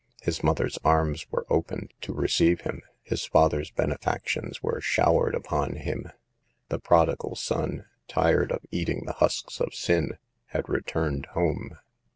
His mother's arms were opened to receive him, his father's benefactions were showered upon him. The prodigal son, tired of eating the husks of sin, had returned home.